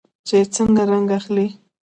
چې څنګه رنګ اخلي.